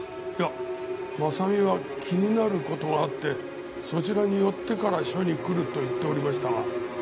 いや真実は気になる事があってそちらに寄ってから署に来ると言っておりましたが。